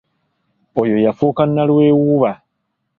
Oyo yafuuka nalwewuuba.